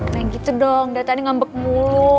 main gitu dong data ini ngambek mulu